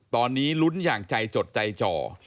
ตอนนี้ลุ้นอย่างใจจดใจจ่อ